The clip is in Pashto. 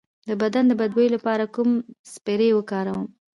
د بدن د بد بوی لپاره کوم سپری وکاروم؟